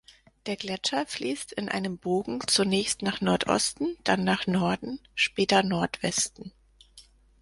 Der Gletscher fließt in einem Bogen zunächst nach Nordosten, dann nach Norden, später Nordwesten.